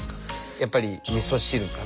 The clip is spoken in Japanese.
やっぱりみそ汁かな。